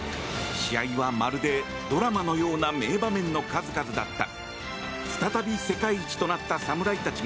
試合は、まるでドラマのような名場面の数々だった。